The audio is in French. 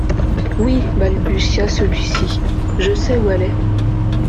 Oui, balbutia celui-ci, je sais où elle est.